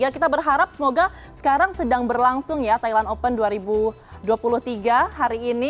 kita berharap semoga sekarang sedang berlangsung ya thailand open dua ribu dua puluh tiga hari ini